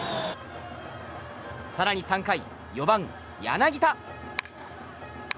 更に３回、４番、柳田。